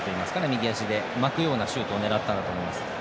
右足で巻くようなシュートを狙ったんだと思います。